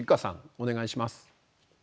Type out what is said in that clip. お願いします。